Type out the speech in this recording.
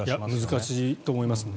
難しいと思います。